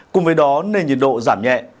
cùng với đó nền nhiệt độ giảm nhẹ